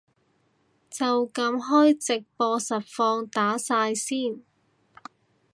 就噉開直播實況打晒先